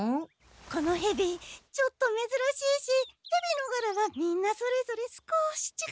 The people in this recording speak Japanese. このヘビちょっとめずらしいしヘビのがらはみんなそれぞれ少しちがうんだ。